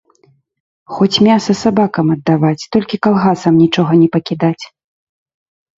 Хоць мяса сабакам аддаваць, толькі калгасам нічога не пакідаць.